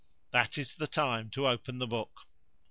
That is the time to open the book."